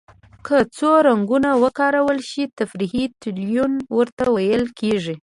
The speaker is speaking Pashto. که څو رنګونه وکارول شي تفریقي تلوین ورته ویل کیږي.